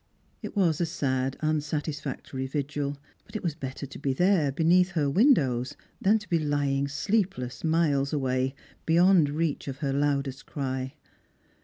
It was a sad unsatisfactory vigil ; but it was better to be there, beneath her windows, than to be lying sleepless miles away, beyond reach of her loudest cry.